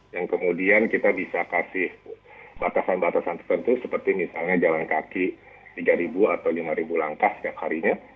yang kemudian kita bisa kasih batasan batasan tertentu seperti misalnya jalan kaki tiga atau lima langkah setiap harinya